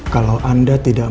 kalau anda tidak